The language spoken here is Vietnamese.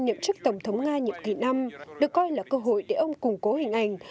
nhậm chức tổng thống nga nhiệm kỳ năm được coi là cơ hội để ông củng cố hình ảnh